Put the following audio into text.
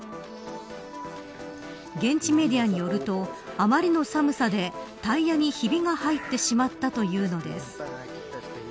現地メディアによるとあまりの寒さでタイヤにひびが入ってしまったというのです。